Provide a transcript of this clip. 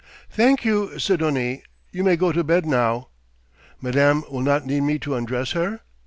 "Thank you, Sidonie. You may go to bed now." "Madame will not need me to undress her?"